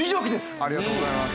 ありがとうございます。